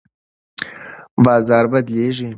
بازار بدلیږي.